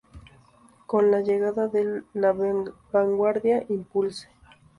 Con la llegada de la vanguardia, Impulse!